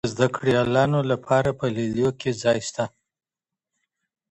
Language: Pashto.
د زدکړیالانو لپاره په لیلیو کي ځای سته؟